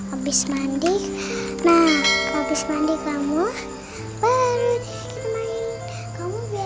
abis mandi nah abis mandi kamu baru kita main